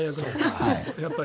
やっぱり。